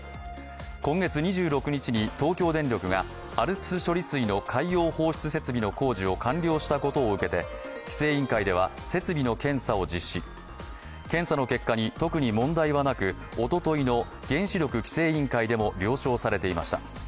今月２６日に東京電力がＡＬＰＳ処理水の海洋放出設備の工事の完了したことを受けて、規制委員会では設備の検査を実施、検査の結果に特に問題はなく、おとといの原子力規制委員会でも了承されていました。